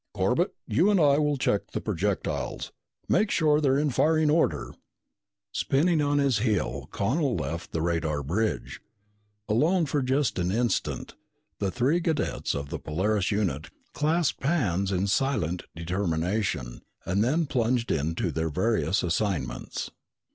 "Corbett, you and I will check the projectiles. Make sure they're in firing order!" Spinning on his heel, Connel left the radar bridge. Alone for just an instant, the three cadets of the Polaris unit clasped hands in silent determination and then plunged into their various assignments.